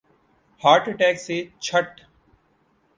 heart attack سے چھٹ